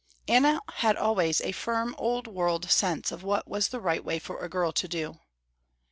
Anna had always a firm old world sense of what was the right way for a girl to do.